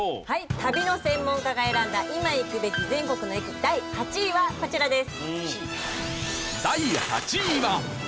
旅の専門家が選んだ今行くべき全国の駅第８位はこちらです。